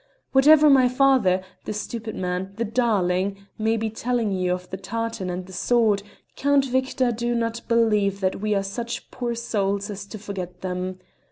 Whatever my father, the stupid man, the darling, may be telling you of the tartan and the sword, Count Victor, do not believe that we are such poor souls as to forget them.